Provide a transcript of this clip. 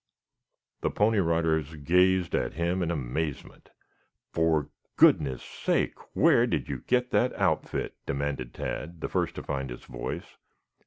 The Pony Riders gazed at him in amazement. "For goodness' sake, where did you get that outfit?" demanded Tad, the first to find his voice.